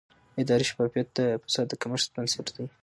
اداري شفافیت د فساد د کمښت بنسټ دی